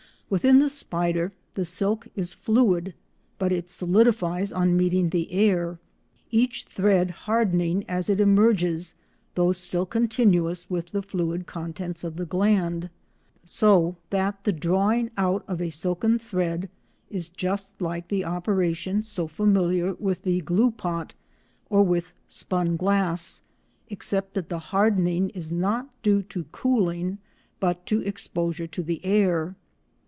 Within the spider the silk is fluid but it solidifies on meeting the air, each thread hardening as it emerges though still continuous with the fluid contents of the gland, so that the drawing out of a silken thread is just like the operation so familiar with the glue pot, or with spun glass, except that the hardening is not due to cooling but to exposure to the air.